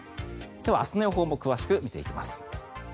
では、明日の予報も詳しく見ていきます。